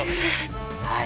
はい。